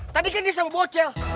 tadi kan dia sama bocel